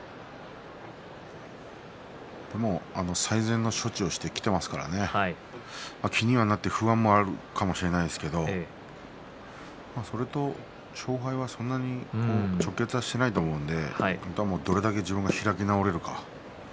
もう最善の処置をしてきていますからね気にはなって不安もあるかもしれないですけどそれと勝敗はそんなに直結していないと思うのであとはどれだけ自分が開き直れるか。